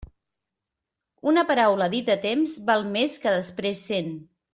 Una paraula dita a temps val més que després cent.